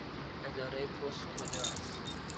اداره پست کجا است؟